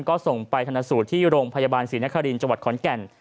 ก็ส่งไปธนสูตรที่โรงพยาบาลศรีนครินจขอนแก่น